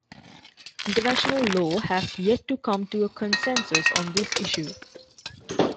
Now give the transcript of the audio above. International law has yet to come to a consensus on this issue.